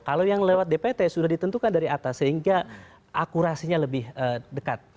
kalau yang lewat dpt sudah ditentukan dari atas sehingga akurasinya lebih dekat